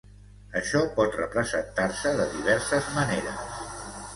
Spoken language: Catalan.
Això pot representar-se de diverses maneres.